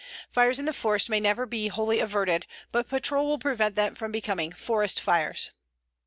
Fires in the forest may never be wholly averted, but patrol will prevent them from becoming "forest fires."